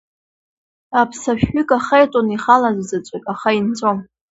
Аԥса шәҩык ахаиҵон ихала аӡә заҵәык, аха инҵәом.